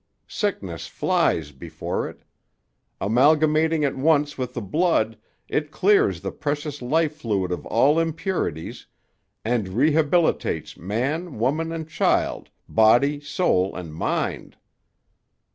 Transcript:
Sickness flies before it. Amalgamating at once with the blood, it clears the precious life fluid of all impurities, and rehabilitates man, woman, and child, body, soul and mind."